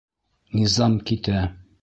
Низам китә.